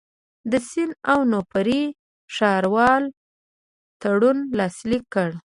د سن اونوفري ښاروال تړون لاسلیک کړ.